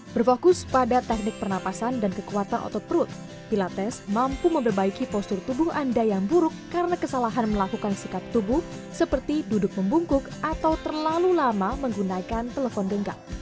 berfokus pada teknik pernapasan dan kekuatan otot perut pilates mampu memperbaiki postur tubuh anda yang buruk karena kesalahan melakukan sikap tubuh seperti duduk membungkuk atau terlalu lama menggunakan telepon genggam